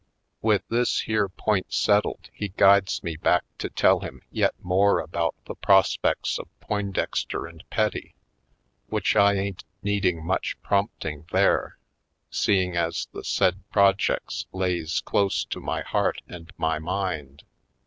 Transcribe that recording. With this here point settled he guides me back to tell him yet more about the pros pects of Poindexter & Petty. Which I ain't needing much prompting there, seeing as the said projects lays close to my heart and my mind.